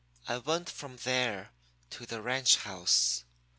"I went from there to the ranch house.